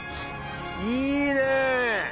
いいね！